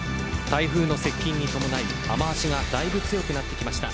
台風の接近に伴い雨脚がだいぶ強くなってきました。